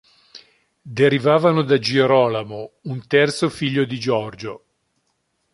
Derivavano da Girolamo, un terzo figlio di Giorgio.